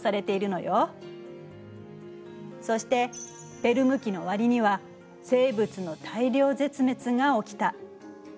そしてペルム紀の終わりには生物の大量絶滅が起きた。